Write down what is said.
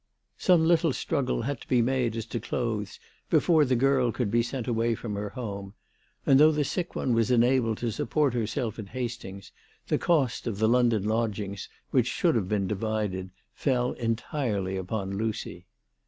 Some little struggle had to be THE TELEGRAPH GIRL. 293 made as to clothes before the girl could be sent away from her home ; and, though the sick one was enabled to support herself at Hastings, the cost of the London lodgings which should have been divided fell entirely upon Lucy.